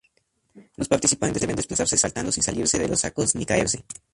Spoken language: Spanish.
Los participantes deben desplazarse saltando sin salirse de los sacos ni caerse.